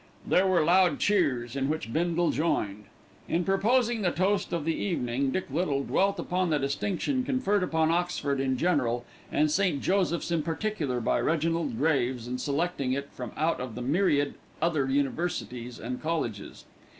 There were loud cheers, in which Bindle joined. In proposing the toast of the evening, Dick Little dwelt upon the distinction conferred upon Oxford in general and St. Joseph's in particular by Reginald Graves in selecting it from out of the myriad other universities and colleges.